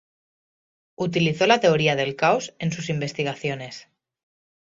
Utilizó la teoría del caos en sus investigaciones.